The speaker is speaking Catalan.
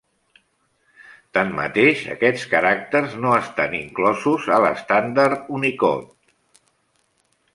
Tanmateix, aquests caràcters no estan inclosos a l’estàndard Unicode.